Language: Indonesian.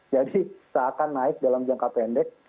jadi seakan naik dalam jangka pendek